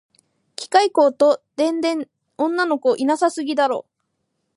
機械工と電電女の子いなさすぎだろ